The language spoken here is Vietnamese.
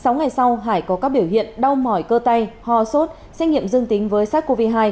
sáu ngày sau hải có các biểu hiện đau mỏi cơ tay ho sốt xét nghiệm dương tính với sars cov hai